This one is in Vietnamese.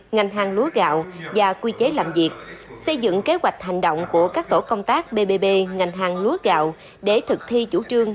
ngành hàng lúa gạo và quy chế làm việc xây dựng kế hoạch hành động của các tổ công tác bbb ngành hàng lúa gạo để thực thi chủ trương